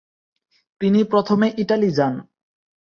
তিনি প্রথমে ইটালি যান।